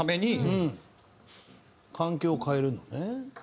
環境を変えるんだね。